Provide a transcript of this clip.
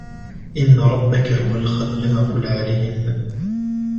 إن ربك هو الخلاق العليم